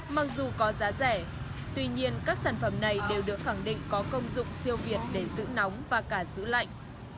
mặc dù có giá rẻ tuy nhiên các sản phẩm này đều được khẳng định có công dụng siêu việt để giữ nóng và cả giữ lạnh